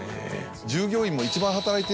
従業員も。